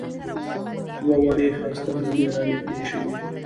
دوه وړې ښایسته نجونې را نږدې شوې.